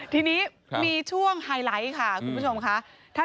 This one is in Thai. ทีนี้มีช่วงไฮไลท์ค่ะคุณผู้ชมค่ะ